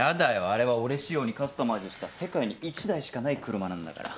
あれは俺仕様にカスタマイズした世界に１台しかない車なんだから。